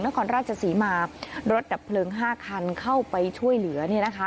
นครราชศรีมารถดับเพลิง๕คันเข้าไปช่วยเหลือ